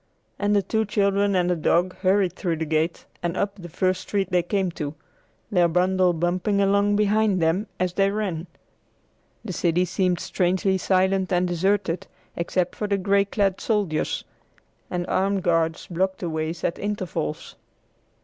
And the two children and the dog hurried through the gate and up the first street they came to, their bundle bumping along behind them as they ran. The city seemed strangely silent and deserted, except for the gray clad soldiers, and armed guards blocked the way at intervals.